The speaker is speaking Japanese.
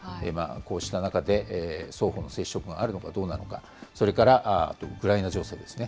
こうした中で、双方の接触があるのかどうなのか、それからウクライナ情勢ですね。